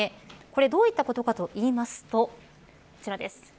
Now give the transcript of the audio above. どういったことかと言いますとこちらです。